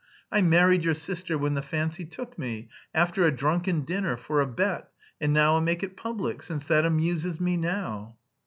I married your sister when the fancy took me, after a drunken dinner, for a bet, and now I'll make it public... since that amuses me now."